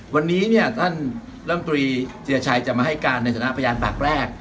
วันนี้เนี่ยท่านลำตรีเจียชัยจะมาให้การในฐานะพยานปากแรก